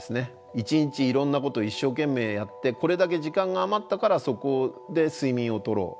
一日いろんなこと一生懸命やってこれだけ時間が余ったからそこで睡眠をとろう。